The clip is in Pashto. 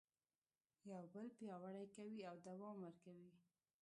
یو بل پیاوړي کوي او دوام ورکوي.